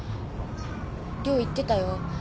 涼言ってたよ。